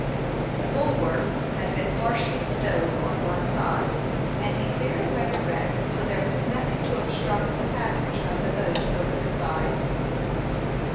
The bulwarks had been partially stove on one side, and he cleared away the wreck till there was nothing to obstruct the passage of the boat over the side.